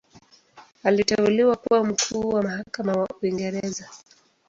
Aliteuliwa kuwa Mkuu wa Mahakama wa Uingereza.